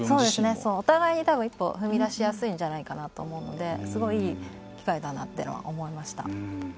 お互いに一歩踏み出しやすいんじゃないかなと思うのですごいいい機械だなと思いました。